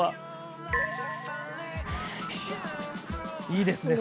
いいですね。